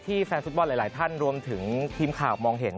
แฟนฟุตบอลหลายท่านรวมถึงทีมข่าวมองเห็น